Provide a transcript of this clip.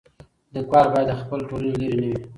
ليکوال بايد له خپلي ټولني لیري نه وي.